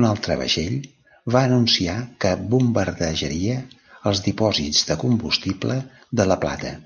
Un altre vaixell va anunciar que bombardejaria els dipòsits de combustible de La Plata.